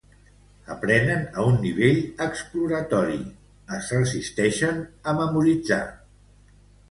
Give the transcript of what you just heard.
Aprenen a un nivell exploratori, es resisteixen a memoritzar.